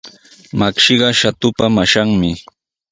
Makshiqa Shatupa mashanmi.